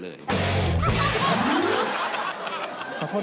เกิดวันเสาร์ครับ